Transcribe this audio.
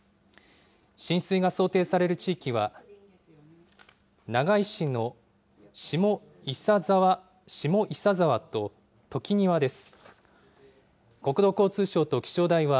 浸水が想定される地域は長井市の下伊佐沢と時庭です。